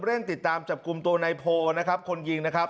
เร่งติดตามจับกลุ่มตัวนายโพนะครับคนยิงนะครับ